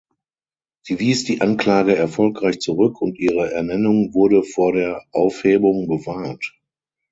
Sie wies die Anklage erfolgreich zurück und ihre Ernennung wurde vor der Aufhebung bewahrt.